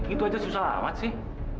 itu aja susah amat sih